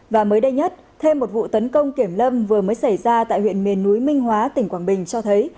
và mới đây nhất thêm một vụ tấn công kiểm lâm vừa mới xảy ra tại huyện miền núi minh hóa tỉnh quảng bình cho thấy